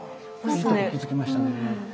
いいとこ気付きましたね。